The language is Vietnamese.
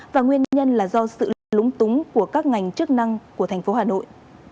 và nguyên nhân là do sự lúng túng của các ngành chức năng của thành phố hà nội